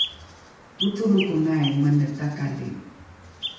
ocolokonai mene takali